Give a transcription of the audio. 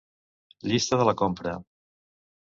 Llista de la compra.